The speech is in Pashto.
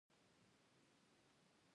هغه د آرمان پر څنډه ساکت ولاړ او فکر وکړ.